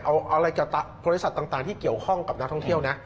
เอาอะไรกับบริษัทต่างที่เกี่ยวข้องกับนักท่องเที่ยวนะ